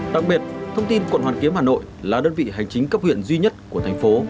đặc biệt thông tin quận hoàn kiếm hà nội là đơn vị hành chính cấp huyện duy nhất của thành phố